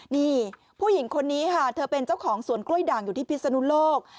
นี่ผู้หญิงคนนี้ค่ะเธอเป็นเจ้าของสวนกล้วยด่างอยู่ที่พิศนุโลก